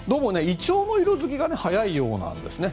イチョウの色づきが早いようですね。